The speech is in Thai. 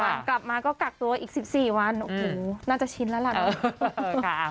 แล้วก็กลับมาก็กักตัวอีก๑๔วันโอ้โหน่าจะชินแล้วแหละ